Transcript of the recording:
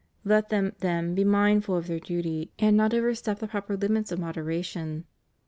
Let them, then, be mindful of their duty, and not overstep the proper hmits of moderation.